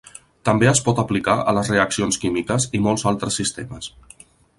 També es pot aplicar a les reaccions químiques i molts altres sistemes.